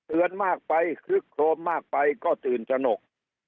เตือนมากไปคลึกโทรมากไปก็ตื่นจนก